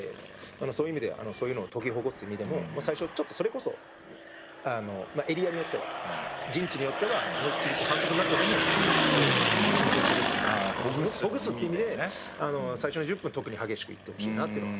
そういう意味ではそういうのを解きほぐす意味でも最初ちょっとそれこそあのエリアによっては陣地によっては思いっきりいって反則になってでも緊張してるというのをほぐすという意味で最初の１０分特に激しくいってほしいなというのは。